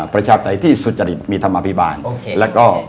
ประชาปไตยที่สุจริตมีธรรมภิบาลแล้วก็